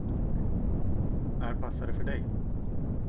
När passar det för dig.